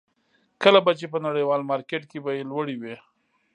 کله به چې په نړیوال مارکېټ کې بیې لوړې وې.